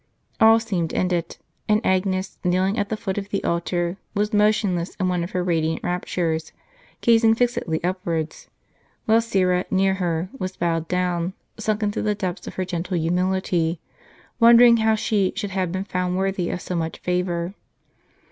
All seemed ended ; and Agnes, kneeling at the foot of the altar, was motionless in one of her radiant raptures, gazing fixedly upwards ; while Syra, near her, was bowed down, sunk into the depths of her gentle humility, wondering how she should have been found worthy of so much favor.